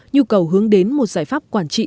nhu cầu hướng đến một giải pháp quản trị